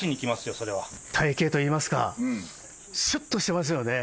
体形といいますかシュっとしてますよね。